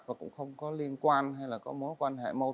và cũng không có liên quan hay là có mối quan trọng